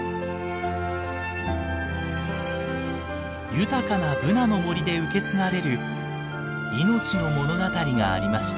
豊かなブナの森で受け継がれる命の物語がありました。